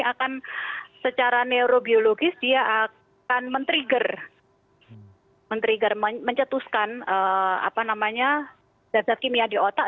akan secara neurobiologis dia akan men trigger men trigger mencetuskan zat zat kimia di otak